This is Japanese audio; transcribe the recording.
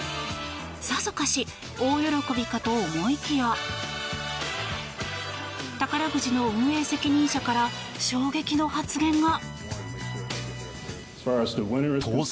さぞかし大喜びかと思いきや宝くじの運営責任者から衝撃の発言が。